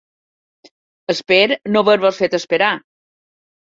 Espero no haver-vos fet esperar.